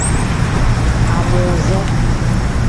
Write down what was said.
Amuuze.